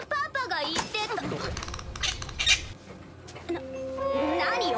な何よ？